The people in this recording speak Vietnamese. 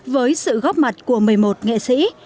với sự góp mặt của một mươi một nghệ sĩ